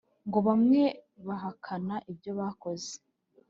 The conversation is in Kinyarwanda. ngo bamwe bahakana ibyo bakoze